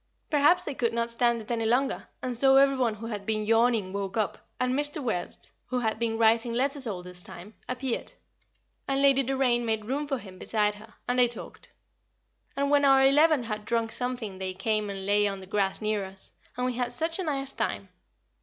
Perhaps they could not stand it any longer, and so every one who had been yawning woke up, and Mr. Wertz, who had been writing letters all this time, appeared, and Lady Doraine made room for him beside her, and they talked; and when our Eleven had drunk something they came and lay on the grass near us, and we had such a nice time.